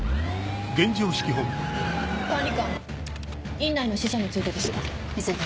院内の死者についてですが。